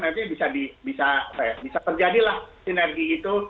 nanti bisa terjadilah sinergi itu